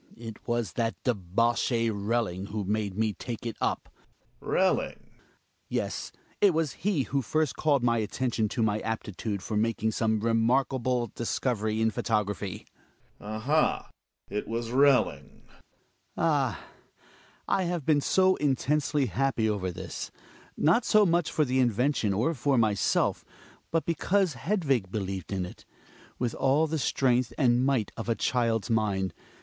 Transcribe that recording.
It was that debauchee Relling, who made me take it up. Gregers. Relling? Hjalmar. Yes, it wag he who first called my atten tion to my aptitude for making some remarkable dis covery in photography. Gregers. Aha! it was Railing! Hjalmar. Ah ! I have been so intensely happy over this. Not so much for the invention or for myself, but because Hedvig believed in it — with all the strength and might of a child's mind.